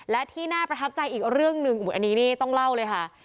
และที่น่าประทับใจอีกเรื่องหนึ่งอันนี้นี่ต้องเล่าเลยค่ะ